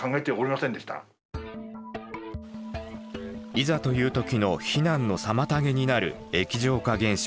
いざという時の避難の妨げになる液状化現象。